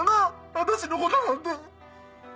私のことなんて。